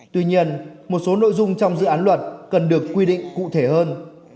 tuy nhiên một số nội dung trong dự án luật cần được quy định cụ thể hơn